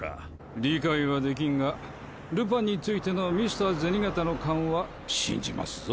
理解はできんがルパンについてのミスター銭形の勘は信じますぞ。